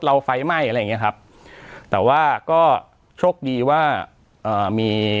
ไฟไหม้อะไรอย่างเงี้ยครับแต่ว่าก็โชคดีว่าเอ่อมี